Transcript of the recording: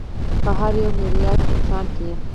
په هر یو میلیارد انسان کې